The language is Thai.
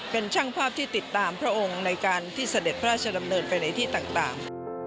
เป็นช่างภาพที่ติดตามพระองค์ในการที่เสด็จพระราชดำเนินไปในที่ต่าง